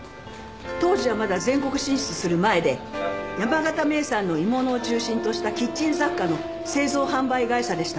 当時はまだ全国進出する前で山形名産の鋳物を中心としたキッチン雑貨の製造販売会社でしたが。